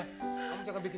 kamu jangan bikin